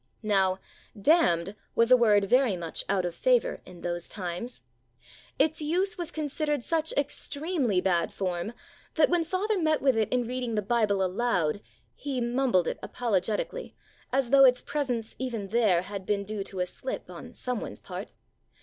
Now "damned" was a word very much out of favor in those times. Its use was considered such extremely bad form that when father met with it in reading the Bible aloud he mumbled it apologetically, as tho its presence even there had been due to a slip on someone's part.